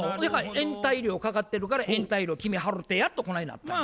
延滞料かかってるから延滞料君払うてやとこないなったんや。